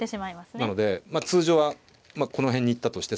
なので通常はこの辺に行ったとして。